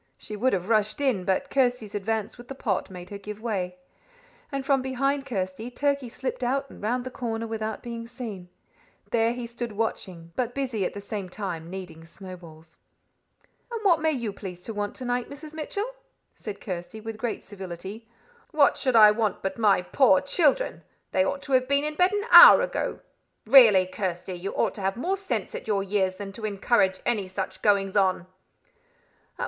She would have rushed in, but Kirsty's advance with the pot made her give way, and from behind Kirsty Turkey slipped out and round the corner without being seen. There he stood watching, but busy at the same time kneading snowballs. "And what may you please to want to night, Mrs. Mitchell?" said Kirsty, with great civility. "What should I want but my poor children? They ought to have been in bed an hour ago. Really, Kirsty, you ought to have more sense at your years than to encourage any such goings on."